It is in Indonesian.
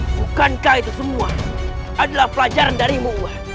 bukankah itu semua adalah pelajaran darimu